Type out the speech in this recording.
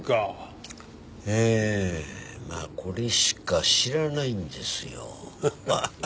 ええこれしか知らないんですよ。